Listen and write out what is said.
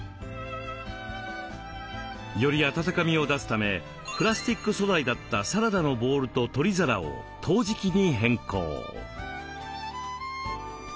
よりあたたかみを出すためプラスチック素材だったサラダのボウルと取り皿を陶磁器に変更。